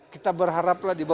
kita berharap lah